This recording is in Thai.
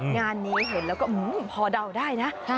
งานนี้เห็นแล้วก็พอเดาได้นะ